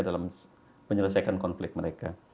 dalam menyelesaikan konflik mereka